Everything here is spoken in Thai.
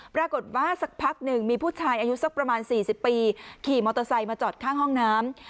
สักพักหนึ่งมีผู้ชายอายุสักประมาณ๔๐ปีขี่มอเตอร์ไซค์มาจอดข้างห้องน้ำ